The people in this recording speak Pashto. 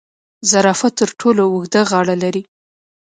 زرافه تر ټولو اوږده غاړه لري